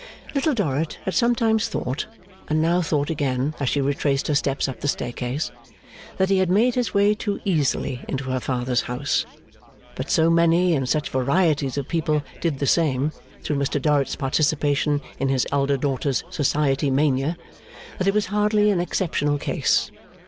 Little Dorrit had sometimes thought, and now thought again as she retraced her steps up the staircase, that he had made his way too easily into her father's house. But so many and such varieties of people did the same, through Mr Dorrit's participation in his elder daughter's society mania, that it was hardly an exceptional case.